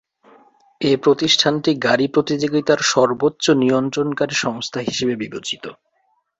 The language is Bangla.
এ প্রতিষ্ঠানটি গাড়ী প্রতিযোগিতার সর্বোচ্চ নিয়ন্ত্রণকারী সংস্থা হিসেবে বিবেচিত।